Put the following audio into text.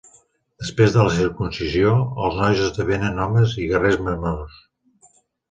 Després de la circumcisió, els nois esdevenen homes i guerrers menors.